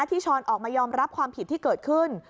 ช้อนออกมายอมรับความผิดที่เกิดขึ้น